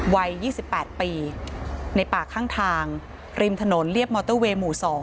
วัย๒๘ปีในป่าข้างทางริมถนนเรียบมอเตอร์เวย์หมู่๒